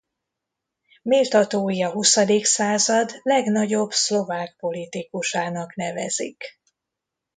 Méltatói a huszadik század legnagyobb szlovák politikusának nevezik.